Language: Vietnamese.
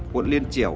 quận liên triểu